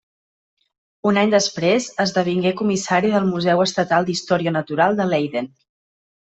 Un any després, esdevingué comissari del Museu Estatal d'Història Natural de Leiden.